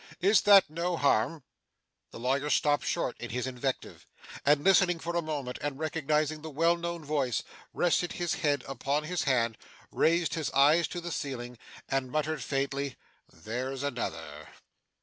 'Is that no harm?' The lawyer stopped short in his invective, and listening for a moment, and recognising the well known voice, rested his head upon his hand, raised his eyes to the ceiling, and muttered faintly, 'There's another!